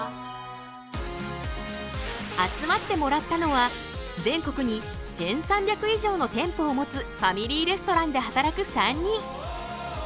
集まってもらったのは全国に１，３００以上の店舗を持つファミリーレストランで働く３人。